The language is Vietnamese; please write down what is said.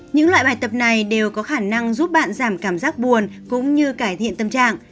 những loại bài tập này đều có khả năng giúp bạn giảm cảm giác buồn cũng như cải thiện tâm trạng